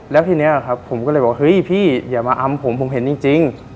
แล้วทีนี้ครับผมก็เลยบอกเฮ้ยพี่อย่ามาอำผมผมเห็นจริง